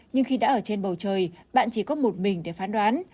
nhưng khi đã ở trên bầu trời bạn chỉ có một mình để phán đoán